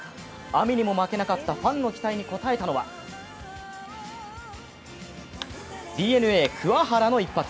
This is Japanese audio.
雨にも負けなかったファンの期待に応えたのはＤｅＮＡ・桑原の一発。